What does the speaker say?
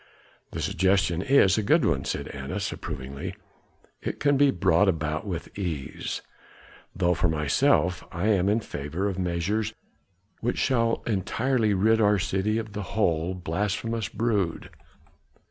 "The suggestion is a good one," said Annas approvingly, "it can be brought about with ease; though for myself I am in favor of measures which shall entirely rid our city of the whole, blasphemous brood.